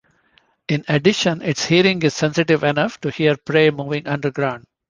In addition, its hearing is sensitive enough to hear prey moving underground.